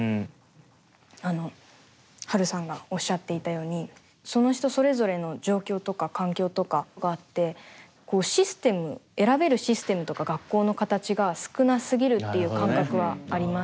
あのはるさんがおっしゃっていたようにその人それぞれの状況とか環境とかがあってこうシステム選べるシステムとか学校の形が少なすぎるっていう感覚はあります